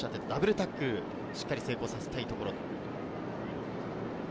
ダブルタックルをしっかり成功させたいところ。